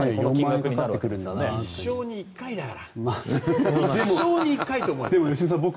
一生に１回だから。